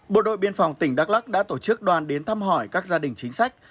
bộ đội biên phòng tỉnh đắk lắc đã tổ chức đoàn đến thăm hỏi các gia đình chính sách